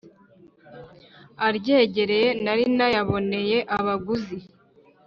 aryegereye nari nayaboneye abaguzi